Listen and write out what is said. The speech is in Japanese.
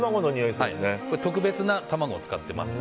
特別な卵を使ってます。